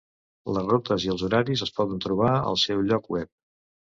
Les rutes i els horaris es poden trobar al seu lloc web.